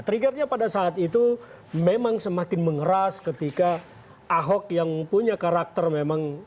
triggernya pada saat itu memang semakin mengeras ketika ahok yang punya karakter memang